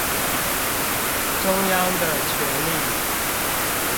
中央的權力